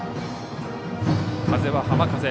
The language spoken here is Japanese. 風は浜風。